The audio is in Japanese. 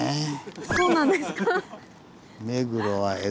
そうなんですか？